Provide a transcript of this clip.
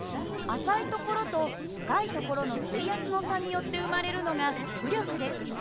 浅い所と深い所の水圧の差によって生まれるのが浮力です。